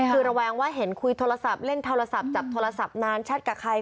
คือระแวงว่าเห็นคุยโทรศัพท์เล่นโทรศัพท์จับโทรศัพท์นานแชทกับใคร